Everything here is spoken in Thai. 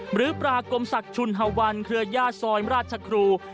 หรือปรากมศักดิ์ชุนฮวันเครือญาติซอยราชครู